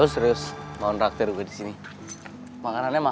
sampai jumpa di video selanjutnya